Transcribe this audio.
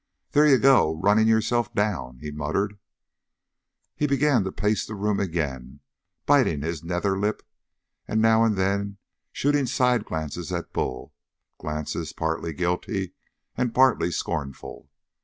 "There you go running yourself down," he muttered. He began to pace the room again, biting his nether lip, and now and then shooting side glances at Bull, glances partly guilty and partly scornful.